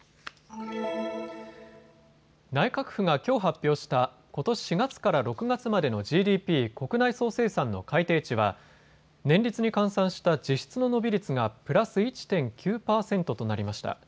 内閣府がきょう発表したことし４月から６月までのＧＤＰ・国内総生産の改定値は年率に換算した実質の伸び率がプラス１．９％となりました。